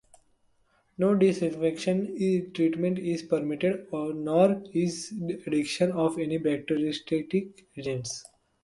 No disinfection treatment is permitted, nor is the addition of any bacteriostatic agents.